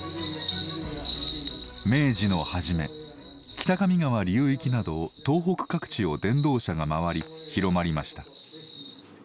明治の初め北上川流域など東北各地を伝道者が回り広まりました。